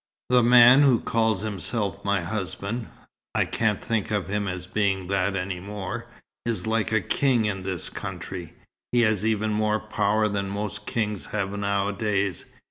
The man who calls himself my husband I can't think of him as being that any more is like a king in this country. He has even more power than most kings have nowadays.